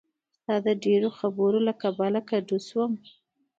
ستا د ډېرو خبرو له کبله کدو شوم.